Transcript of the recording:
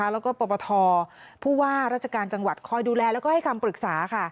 และก็ปรบทภูระราชการจังวัติคอยดูแลและให้คำปรึกษา